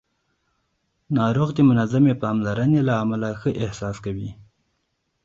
ناروغ د منظمې پاملرنې له امله ښه احساس کوي